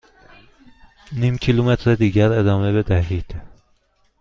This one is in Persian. نیم کیلومتر دیگر ادامه بدهید.